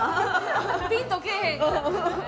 ピンとけぇへん。